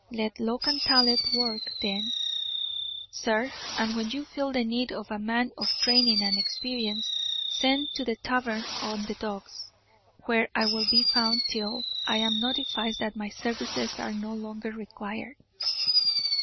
Let local talent work, then, sir, and when you feel the need of a man of training and experience, send to the tavern on the docks, where I will be found till I am notified that my services are no longer required."